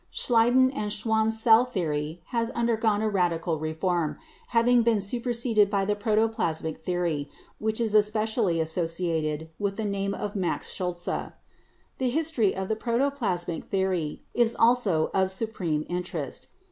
Schleiden and Schwann's cell theory has under gone a radical reform, having been superseded by the Protoplasmic theory, which is especially associated with the name of Max Schultze. The History of the Protoplasmic theory is also of supreme interest.